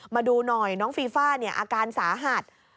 มาดูหน่อยน้องฟีฟ่าอาการสาหัส